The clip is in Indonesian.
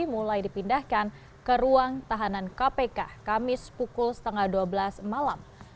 mulai dipindahkan ke ruang tahanan kpk kamis pukul setengah dua belas malam